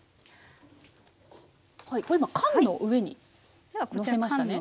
これ今缶の上にのせましたね？